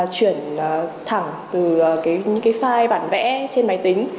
chuyển thẳng từ những cái file bản vẽ trên máy tính